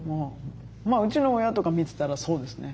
うちの親とか見てたらそうですね。